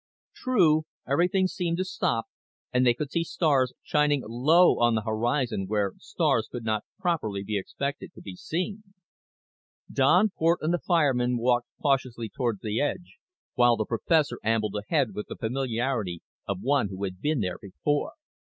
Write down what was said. True, everything seemed to stop, and they could see stars shining low on the horizon where stars could not properly be expected to be seen. Don Cort and the fireman walked cautiously toward the edge while the professor ambled ahead with the familiarity of one who had been there before.